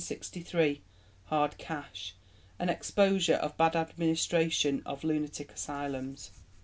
Hard Cash (an exposure of bad administration of lunatic asylums).